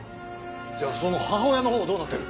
じゃあその母親のほうはどうなってる？